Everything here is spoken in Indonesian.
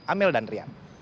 amel dan rian